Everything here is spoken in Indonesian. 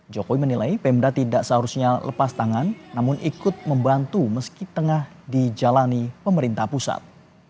jokowi menilai pemda tidak seharusnya lepas tangan namun ikut membantu meski tengah dijalani pemerintah pusat